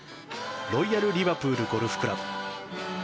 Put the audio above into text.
ロイヤル・リバプールゴルフクラブ。